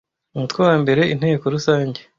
umutwe wa mbere inteko rusange